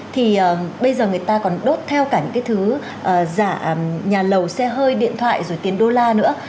thì bây giờ người ta còn đốt theo cả những cái thứ giả nhà lầu xe hơi điện thoại rồi tiền đô la nữa